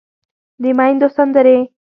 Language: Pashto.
د ميندو سندرې